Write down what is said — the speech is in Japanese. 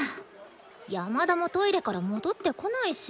山田もトイレから戻ってこないし。